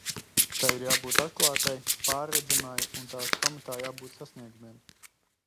Tai ir jābūt atklātai, pārredzamai un tās pamatā jābūt sasniegumiem.